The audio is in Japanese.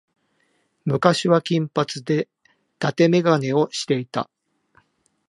昔は金髪で伊達眼鏡をしていた。